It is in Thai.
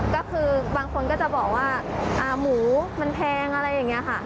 ก็คือบางคนก็จะบอกว่าหมูมันแพงอะไรอย่างนี้ค่ะ